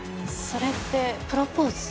それってプロポーズ？